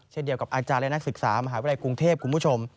เช่นเดียวกับอาจารย์และนักศึกษามหาวิทยาลัยกรุงเทพคุณผู้ชม